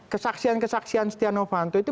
kesaksian kesaksian setiara fanto itu